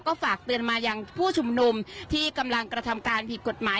ก็ฝากเตือนมายังผู้ชุมนุมที่กำลังกระทำการผิดกฎหมาย